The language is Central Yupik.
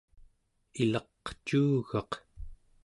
ilaqcuugaq